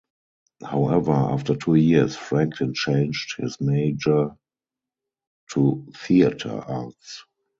However, after two years, Franklin changed his major to theater arts.